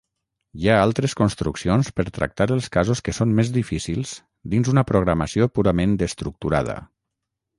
Hi ha altres construccions per tractar els casos que són més difícils dins una programació purament estructurada.